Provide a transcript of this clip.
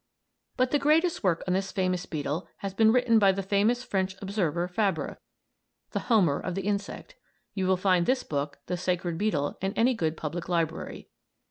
But the greatest work on this famous beetle has been written by the famous French observer Fabre, "The Homer of the Insect." You will find this book, "The Sacred Beetle," in any good public library.